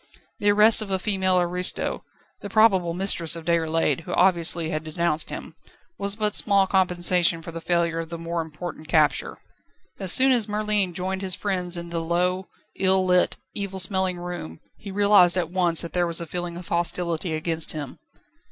The arrest of a female aristo the probable mistress of Déroulède, who obviously had denounced him was but small compensation for the failure of the more important capture. As soon as Merlin joined his friends in the low, ill lit, evil smelling room he realised at once that there was a feeling of hostility against him.